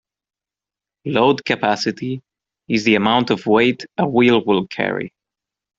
Load capacity is the amount of weight a wheel will carry.